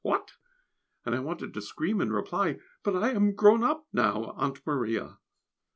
what?" And I wanted to scream in reply, "But I am grown up now, Aunt Maria!"